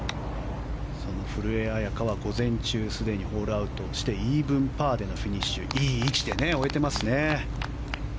古江彩佳は午前中すでにホールアウトしてイーブンパーでのフィニッシュいい位置で終えていますね。